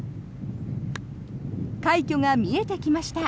快挙が見えてきました。